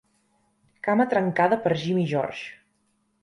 Cama trencada per Jimmy George.